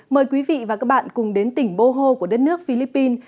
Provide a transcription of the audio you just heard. mời quý vị và các bạn cùng đến tỉnh boho của đất nước philippines